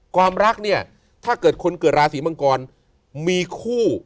ความรักเนี่ยถ้าเกิดคนเกิดราศีมังกรมีคู่